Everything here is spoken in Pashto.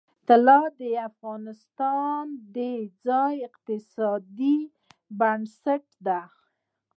طلا د افغانستان د ځایي اقتصادونو بنسټ دی.